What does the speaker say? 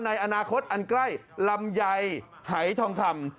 ในอนาคตอันใกล้ลำไยหายทองคำ